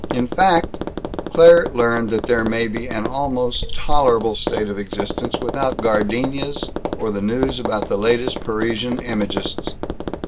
In fact, Claire learned that there may be an almost tolerable state of existence without gardenias or the news about the latest Parisian imagists.